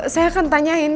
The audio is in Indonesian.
saya akan tanyain